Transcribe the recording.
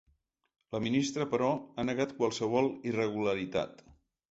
La ministra, però, ha negat qualsevol irregularitat.